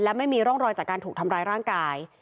และไม่มีร่องรอยจากการถูกทำร้ายร่างกาย